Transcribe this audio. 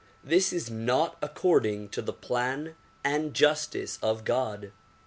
This is not according to the plan and justice of God.